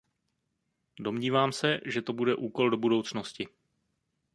Domnívám se, že to bude úkol do budoucnosti.